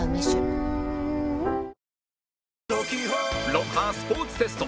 『ロンハー』スポーツテスト